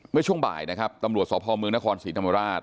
เมื่อช่วงบ่ายนะครับตำรวจสพเมืองนครศรีธรรมราช